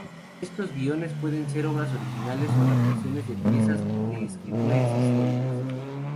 Estos guiones pueden ser obras originales o adaptaciones de piezas de escritura existentes.